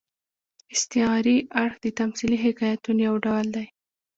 استعاري اړخ د تمثيلي حکایتونو یو ډول دئ.